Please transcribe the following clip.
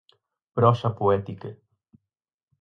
Prosa poética.